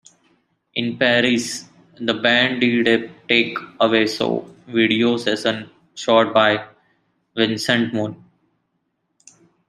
In Paris the band did a Take-Away Show video session shot by Vincent Moon.